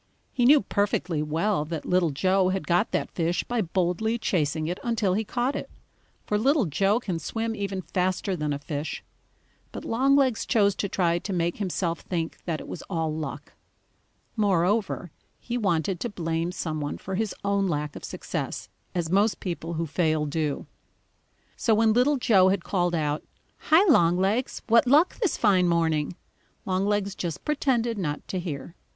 He knew perfectly well that Little Joe had got that fish by boldly chasing it until he caught it, for Little Joe can swim even faster than a fish. But Longlegs chose to try to make himself think that it was all luck. Moreover, he wanted to blame some one for his own lack of success, as most people who fail do. So when Little Joe had called out: "Hi, Longlegs, what luck this fine morning?" Longlegs just pretended not to hear.